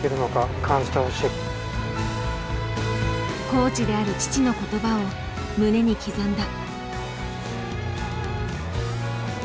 コーチである父の言葉を胸に刻んだ。